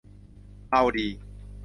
เมาดี